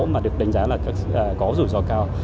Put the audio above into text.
mà được đánh giá là có rủi ro cao